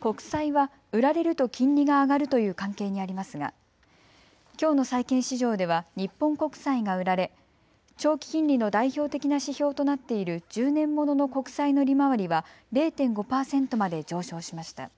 国債は売られると金利が上がるという関係にありますがきょうの債券市場では日本国債が売られ長期金利の代表的な指標となっている１０年ものの国債の利回りは０．５％まで上昇しました。